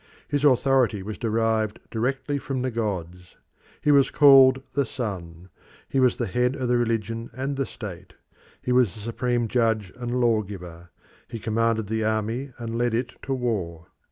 His authority was derived directly from the gods. He was called "the Sun"; he was the head of the religion and the state; he was the supreme judge and lawgiver; he commanded the army and led it to war.